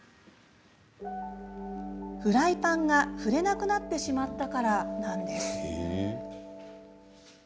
フライパンが振れなくなってしまったからなんです。